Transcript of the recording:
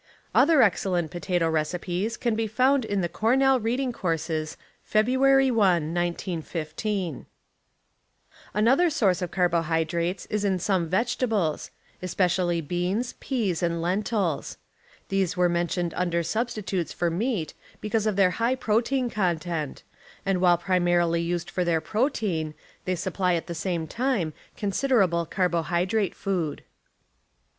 Other excellent potato recipes can be found in The Cornell Reading Courses, Feb. 1, 1915. .^,, Another source of carbohydrates is in some Larbony ,. vegetables, especially beans, peas and lentils. , 1 These were mentioned under substitutes for meat vegetables because of their high protein content, and while primarily used for their protein, they supply at the same time considerable carbohydrate food.